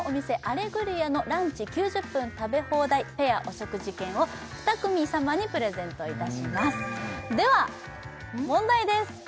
アレグリアのランチ９０分食べ放題ペアお食事券を２組様にプレゼントいたしますでは問題です